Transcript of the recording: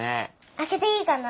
開けていいかな？